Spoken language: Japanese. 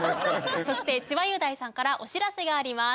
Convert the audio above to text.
そして千葉雄大さんからお知らせがあります。